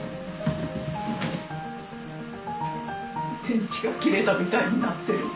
電池が切れたみたいになってる。